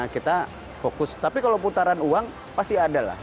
kita fokus tapi kalau putaran uang pasti ada lah